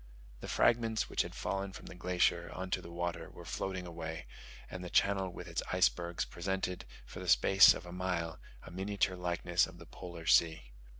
The fragments which had fallen from the glacier into the water were floating away, and the channel with its icebergs presented, for the space of a mile, a miniature likeness of the Polar Sea.